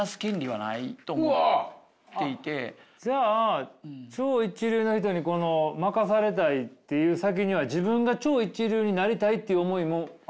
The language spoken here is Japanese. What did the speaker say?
じゃあ超一流の人に負かされたいっていう先には自分が超一流になりたいっていう思いもあるってことですか。